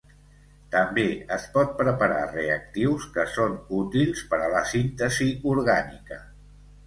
També es pot preparar reactius que són útils per a la síntesi orgànica.